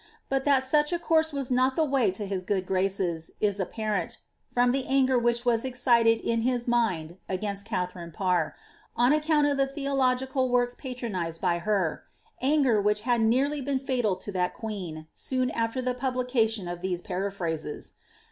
But that such a course was not the way to his good graces, is apparent, from the anger which was excited in his mind against Katharine Parr, on account of the theological works patronised by her, — anger which had nearly been fatal to that queen, soon after the gublication of these paraphrases.